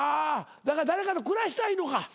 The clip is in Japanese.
だから誰かと暮らしたいのか。